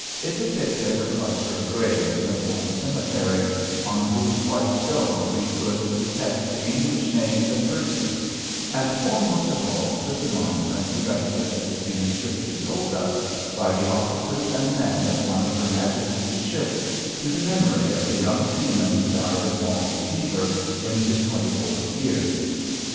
It depicted a cluster of graves in a foreign cemetery, on whose white stones we could detect the English names and verses ; and foremost of all stood the monu ment erected, as the inscription told us, by the officers and men of one of her Majesty's ships to the memory of the young seaman who died of Malta fever, in his twenty fourth year.